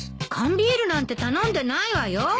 缶ビールなんて頼んでないわよ。